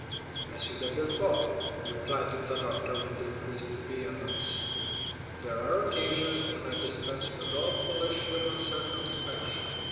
"M. de Villefort," replied the doctor, with increased vehemence, "there are occasions when I dispense with all foolish human circumspection.